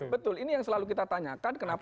betul ini yang selalu kita tanyakan kenapa